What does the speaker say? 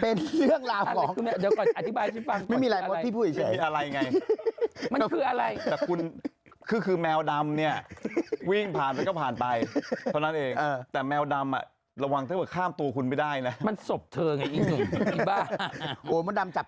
โอมมะดำจับตุ๋นอย่างคู่หมดครับ